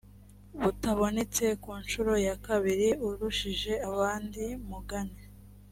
butabonetse ku nshuro ya kabiri urushije abandi mugani